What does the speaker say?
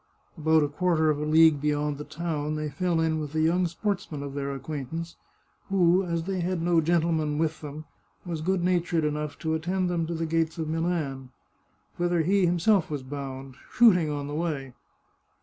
About a quarter of a league beyond the town, they fell in with a young sportsman of their acquaintance, who, as they had no gentleman with them, was good natured enough to attend them to the gates of Milan, whither he himself was bound, shooting on the way.